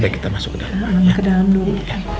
kita masuk ke dalam dulu